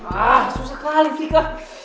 ah susah kali fika